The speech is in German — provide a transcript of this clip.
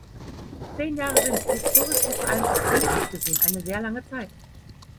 Zehn Jahre sind, historisch und vor allem auch politisch gesehen, eine sehr lange Zeit.